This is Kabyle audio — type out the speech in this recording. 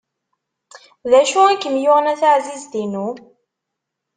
D acu i kem-yuɣen a taɛzizt-inu?